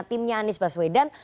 timnya andi baswedan